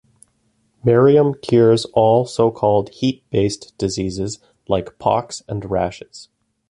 Mariamman cures all so-called "heat-based" diseases like pox and rashes.